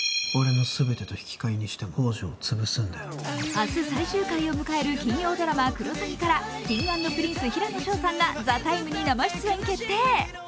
明日、最終回を迎える金曜ドラマ「クロサギ」からＫｉｎｇ＆Ｐｒｉｎｃｅ・平野紫耀さんが「ＴＨＥＴＩＭＥ，」に生出演決定。